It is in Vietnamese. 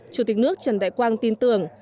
chủ tịch nước trần đại quang tin tưởng